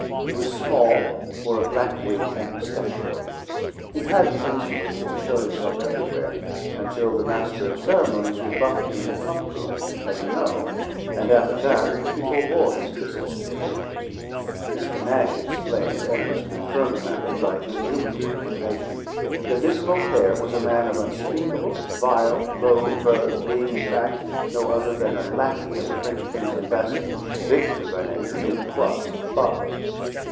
He was small, wore a black wig and mustachio. He had the insolence to show himself everywhere until the Master of Ceremonies rebuffed him in the pump room, as you know, and after that he forbore his visits to the rooms. Mr. Nash explained (and was confirmed, madam, by indubitable information) that this Beaucaire was a man of unspeakable, vile, low birth, being, in fact, no other than a lackey of the French king's ambassador, Victor by name, de Mirepoix's barber.